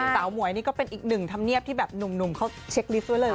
หมวยนี่ก็เป็นอีกหนึ่งธรรมเนียบที่แบบหนุ่มเขาเช็คลิสต์ไว้เลย